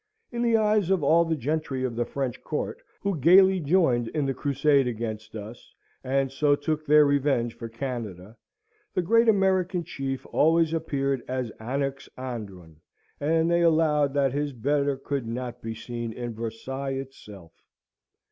In the eyes of all the gentry of the French court, who gaily joined in the crusade against us, and so took their revenge for Canada, the great American chief always appeared as anax andron, and they allowed that his better could not be seen in Versailles itself.